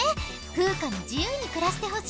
フウカに自ゆうにくらしてほしい。